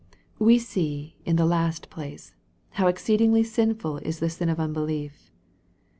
We see, in the last place, how exceedingly sinful is the sin of unbelief.